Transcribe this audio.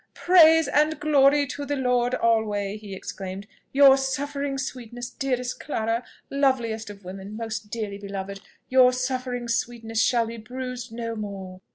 "Praise and glory to the Lord alway!" he exclaimed, "your suffering sweetness, dearest Clara, loveliest of women, most dearly beloved your suffering sweetness shall be bruised no more!